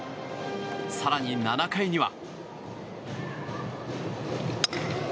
更に７回には。